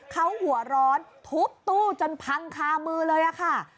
เขาหัวร้อนทุบตู้จนพังคามือเลยค่ะ